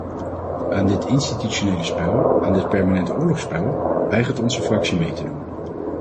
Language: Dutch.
Aan dit institutionele spel, aan dit permanente oorlogsspel, weigert onze fractie mee te doen.